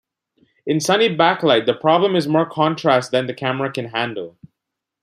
In sunny backlight the problem is more contrast than the camera can handle.